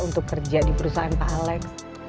untuk kerja di perusahaan pak alex